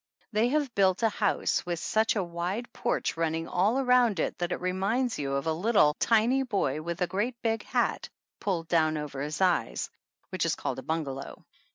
They have built a house with such a wide porch running all around it that it reminds you of a little, tiny boy with a great big hat pulled down over his eyes, which is called a bungalow.